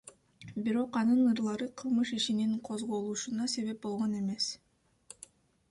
Бирок анын ырлары кылмыш ишинин козголушуна себеп болгон эмес.